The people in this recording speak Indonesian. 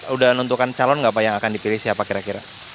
udah menentukan calon nggak pak yang akan dipilih siapa kira kira